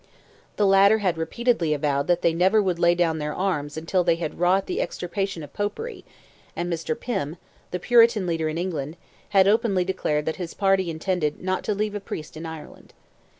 The latter had repeatedly avowed that they never would lay down their arms until they had wrought the extirpation of Popery, and Mr. Pym, the Puritan leader in England, had openly declared that his party intended not to leave a priest in Ireland.